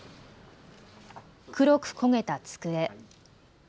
黒く焦げた机。